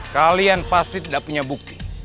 kalian pasti tidak punya bukti